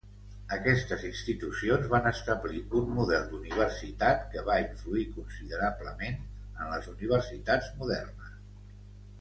Aquestes institucions van establir un model d'universitat que va influir considerablement en les universitats modernes.